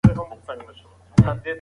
د علم زده کړه د هر سړي او ښځې حق دی.